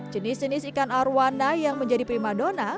jenis jenis ikan arowana yang menjadi prima dona